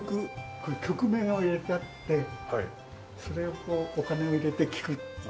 これ曲名を入れてあってそれをお金を入れて聴くっていう。